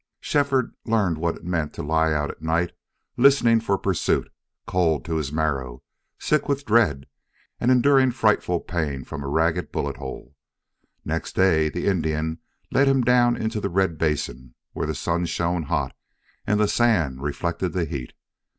Shefford learned what it meant to lie out at night, listening for pursuit, cold to his marrow, sick with dread, and enduring frightful pain from a ragged bullet hole. Next day the Indian led him down into the red basin, where the sun shone hot and the sand reflected the heat.